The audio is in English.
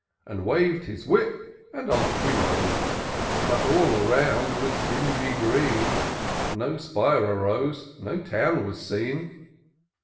And wav'd his whip, and off he rode : But all aroimd was dingy green, No spire arose, no town was seen.